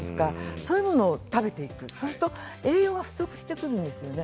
そういうものを食べてしまう栄養が不足してくるんですね。